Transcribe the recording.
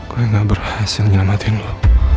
gue gak berhasil nyelamatin lah